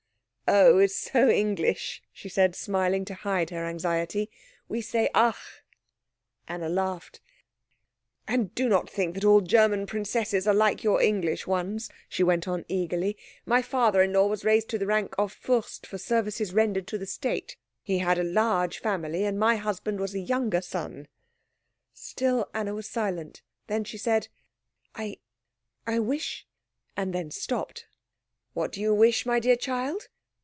"'Oh' is so English," she said, smiling to hide her anxiety. "We say 'ach!" Anna laughed. "And do not think that all German princesses are like your English ones," she went on eagerly. "My father in law was raised to the rank of Fürst for services rendered to the state. He had a large family, and my husband was a younger son." Still Anna was silent. Then she said "I I wish " and then stopped. "What do you wish, my dear child?"